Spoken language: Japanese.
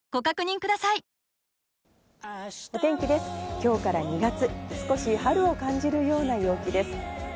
今日から２月、少し春を感じるような陽気です。